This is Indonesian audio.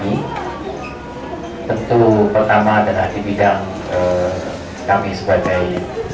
jadi kami tentu pertama adalah di bidang kami sebagai